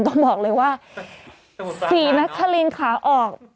ต้องบอกเลยว่าศรีนครินขาออก